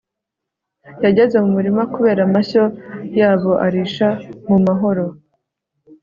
yageze mu murima kureba amashyo yabo arisha mu mahoro